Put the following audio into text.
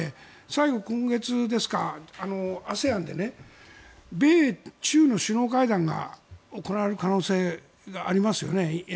最後、今月ですかＡＳＥＡＮで米中の首脳会談が行われる可能性がありますよね